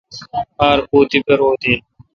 آر پُو تی پاروت این۔